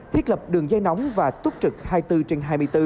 thiết lập đường dây nóng và túc trực hai mươi bốn trên hai mươi bốn